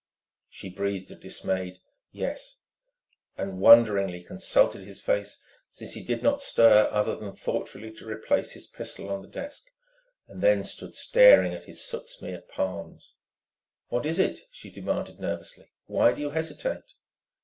She breathed a dismayed "Yes ..." and wonderingly consulted his face, since he did not stir other than thoughtfully to replace his pistol on the desk, then stood staring at his soot smeared palms. "What is it?" she demanded nervously. "Why do you hesitate?"